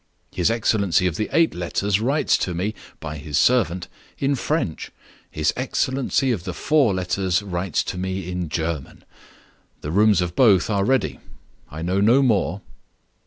His excellency of the eight letters writes to me (by his servant) in French; his excellency of the four letters writes to me in German. The rooms of both are ready. I know no more."